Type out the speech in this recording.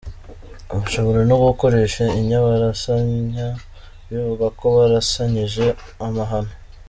Bashoboraga no gukoresha inyabarasanya bivuga ko barasanyije amahano.